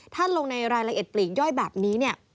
ถ้าลงในรายละเอียดปลีกย่อยแบบนี้เนี่ย